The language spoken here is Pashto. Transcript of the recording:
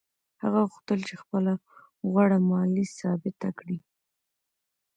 هغه غوښتل خپله غوړه مالي ثابته کړي.